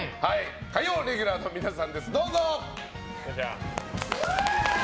火曜レギュラーの皆さんです。